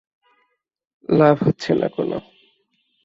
লাভ হচ্ছে না কোনো।